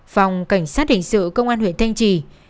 phòng cảnh sát hình sự công an huyện thanh trì